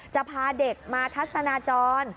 จะพาเด็กมาทัศนาจร